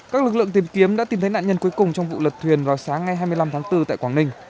các lực lượng tìm kiếm đã tìm thấy nạn nhân cuối cùng trong vụ lật thuyền vào sáng ngày hai mươi năm tháng bốn tại quảng ninh